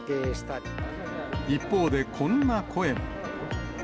一方で、こんな声も。